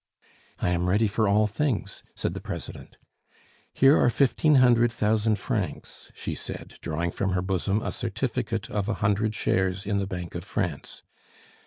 "I am ready for all things," said the president. "Here are fifteen hundred thousand francs," she said, drawing from her bosom a certificate of a hundred shares in the Bank of France.